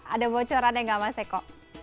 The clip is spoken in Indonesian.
ada bocoran enggak mas eko